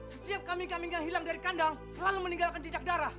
setiap kambing kambing yang hilang dari kandang selalu meninggalkan jejak darah